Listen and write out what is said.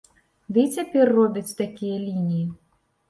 Ды і цяпер робяць такія лініі.